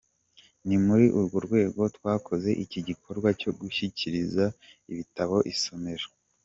Ni muri urwo rwego twakoze iki gikorwa cyo gushyikiriza ibitabo isomero.